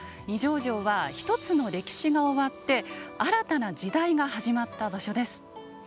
二条城は一つの歴史が終わって新たな時代が始まった場所です。